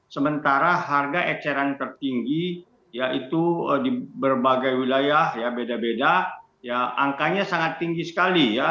sementara harga eceran tertinggi yaitu di berbagai wilayah ya beda beda ya angkanya sangat tinggi sekali ya